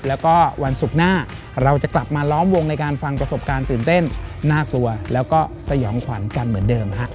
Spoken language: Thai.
แล้วก็วันศุกร์หน้าเราจะกลับมาล้อมวงในการฟังประสบการณ์ตื่นเต้นน่ากลัวแล้วก็สยองขวัญกันเหมือนเดิมฮะ